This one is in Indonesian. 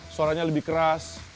suaranya lebih keras